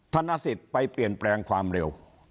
นสิทธิ์ไปเปลี่ยนแปลงความเร็ว